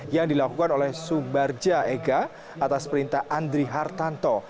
yang dilakukan oleh subarja ega atas perintah andri hartanto